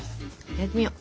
やってみよう！